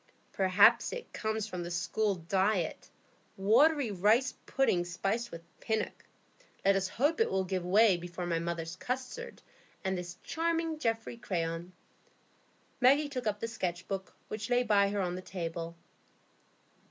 "Perhaps it comes from the school diet,—watery rice pudding spiced with Pinnock. Let us hope it will give way before my mother's custards and this charming Geoffrey Crayon." Maggie took up the "Sketch Book," which lay by her on the table.